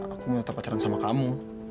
aku mau tetap pacaran sama kamu